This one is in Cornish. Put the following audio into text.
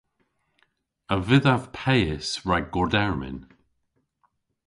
A vydhav peys rag gordermyn?